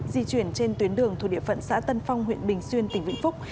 di chuyển trên tuyến đường thuộc địa phận xã tân phong huyện bình xuyên tỉnh vĩnh phúc